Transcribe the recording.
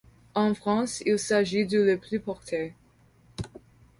En France, il s'agit du le plus porté.